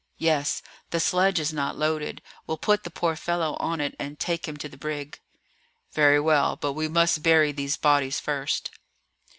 "Yes. The sledge is not loaded; we'll put the poor fellow on it and take him to the brig." "Very well; but we must bury these bodies first."